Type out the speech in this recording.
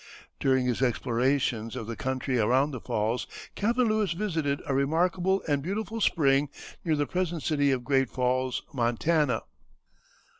During his explorations of the country around the falls Captain Lewis visited a remarkable and beautiful spring, near the present city of Great Falls, Montana.